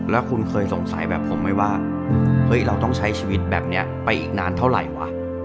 แล้วคุณเคยสงสัยแบบผมไหมว่าเฮ้ยเราต้องใช้ชีวิตแบบนี้ไปอีกนานเท่าไหร่วะ